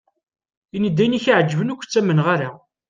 Ini-d ayen i ak-iɛeǧben, ur k-ttamneɣ ara.